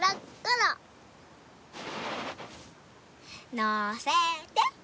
のせて。